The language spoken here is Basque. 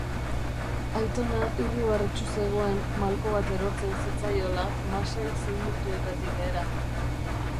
Aitona irribarretsu zegoen malko bat erortzen zitzaiola masail zimurtuetatik behera.